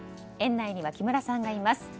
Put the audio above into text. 園内には木村さんがいます。